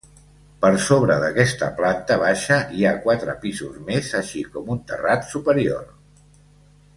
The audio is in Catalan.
Per sobre d'aquesta planta baixa hi ha quatre pisos més, així com un terrat superior.